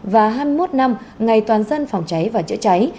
và hai mươi một năm ngày toàn dân phòng cháy và chữa cháy